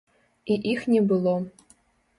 І іх не было.